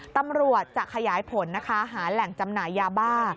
ตำรวจจะขยายผลนะคะหาแหล่งจำหน่ายยาบ้า